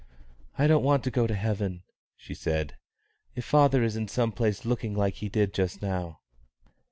"I don't want to go to heaven," she said, "if father is in some place looking like he did just now."